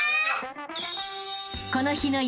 ［この日の］